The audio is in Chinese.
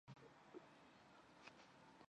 该堂的历史可追溯到基督教早期。